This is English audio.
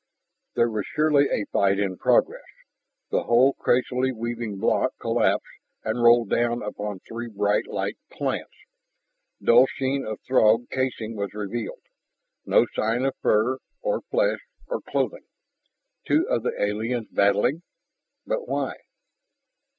There was surely a fight in progress. The whole crazily weaving blot collapsed and rolled down upon three bright light plants. Dull sheen of Throg casing was revealed ... no sign of fur, or flesh, or clothing. Two of the aliens battling? But why?